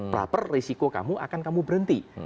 pra per risiko kamu akan kamu berhenti